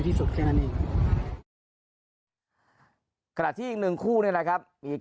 ถ้าพี่นึงคู่นี้นะครับพ